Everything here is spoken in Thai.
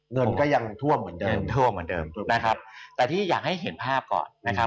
เงินก็ยังท่วมเหมือนเดิมนะครับแต่ที่อยากให้เห็นภาพก่อนนะครับ